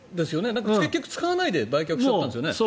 結局使わないで売却しちゃったんだよね。